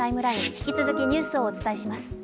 引き続きニュースをお伝えします。